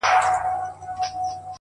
د سكون له سپينه هــاره دى لوېـدلى ـ